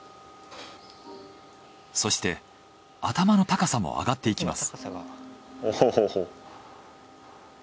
そして頭の高さも上がっていきます。